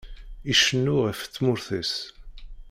Icennu ɣef tmurt-is.